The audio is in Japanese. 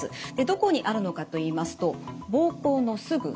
どこにあるのかといいますと膀胱のすぐ下。